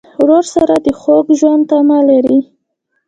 ورور سره د خوږ ژوند تمه لرې.